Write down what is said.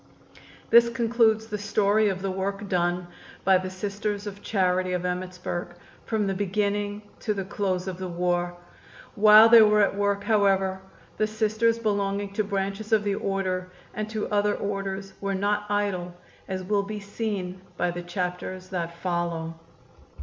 This concludes the story of the work done by the Sisters of Charity of Emmittsburg from the beginning to the close of the war. While they were at work, however, the Sisters belonging to branches of the order and to other orders were not idle, as will be seen by the chapters that follow.